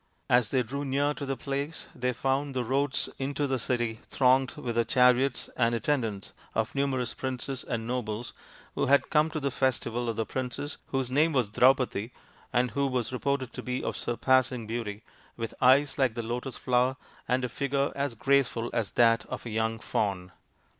As they drew near to the place they found the roads into the city thronged with the chariots and attendants of numerous princes and nobles who had come to the festival of the princess, whose name was Draupadi, and who was reported to be of surpassing beauty, with eyes like the lotus flower, and a figure as graceful as that of a young fawn.